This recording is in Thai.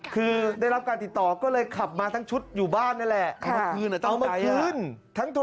คือได้รับการติดต่อก็เลยขับมาทั้งชุดอยู่บ้านนั่นแหละ